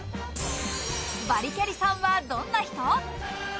バリキャリさんはどんな人？